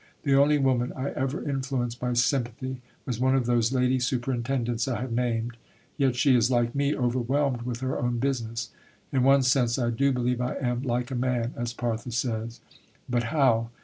The only woman I ever influenced by sympathy was one of those Lady Superintendents I have named. Yet she is like me, overwhelmed with her own business.... In one sense, I do believe I am "like a man," as Parthe says. But how?